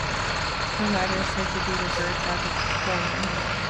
The latter is said to be revered by the former.